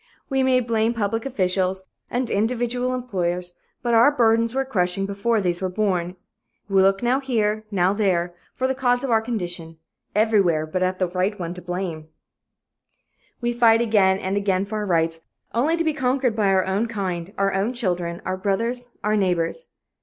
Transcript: We may blame public officials and individual employers, but our burdens were crushing before these were born. We look now here, now there, for the cause of our condition everywhere but at the one to blame. We fight again and again for our rights, only to be conquered by our own kind, our own children, our brother's, our neighbor's.